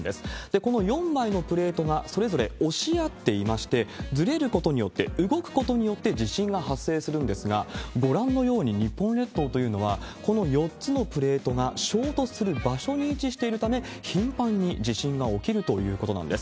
この４枚のプレートがそれぞれ押し合っていまして、ずれることによって、動くことによって地震が発生するんですが、ご覧のように日本列島というのは、この４つのプレートが衝突する場所に位置しているため、頻繁に地震が起きるということなんです。